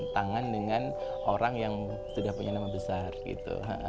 tangan dengan orang yang sudah punya nama besar gitu